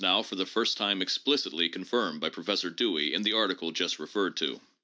now for the first time explicitly confirmed by Professor Dewey in the article just referred to.